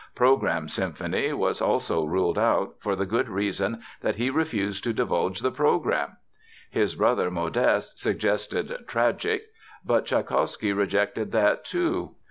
"Programme Symphony" was also ruled out, for the good reason that he refused to divulge the "program." His brother Modeste suggested "Tragic," but Tschaikowsky rejected that too.